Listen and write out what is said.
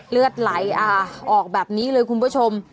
เลือดไหลออกแบบนี้เลยคุณผู้ชม